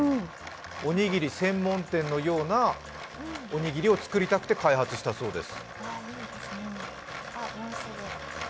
おにぎり専門店のようなおにぎりを作りたくて開発したそうです。